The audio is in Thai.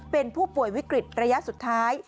เป็นผู้ป่วยวิกฤตระยะสุดท้าย